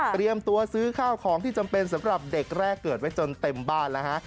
ตัวซื้อข้าวของที่จำเป็นสำหรับเด็กแรกเกิดไว้จนเต็มบ้านแล้วฮะ